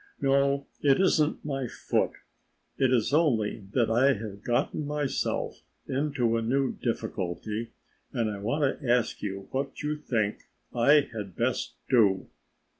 No, it isn't my foot, it is only that I have gotten myself into a new difficulty and I want to ask you what you think I had best do?"